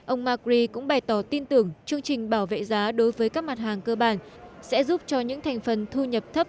ông macri cũng bày tỏ tin tưởng chương trình bảo vệ giá đối với các mặt hàng cơ bản sẽ giúp cho những thành phần thu nhập thấp